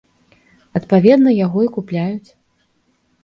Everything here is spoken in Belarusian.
Адпаведна, яго і купляюць.